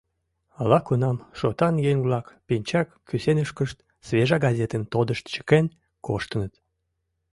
Ала-кунам шотан еҥ-влак пинчак кӱсенышкышт свежа газетым тодышт чыкен коштыныт.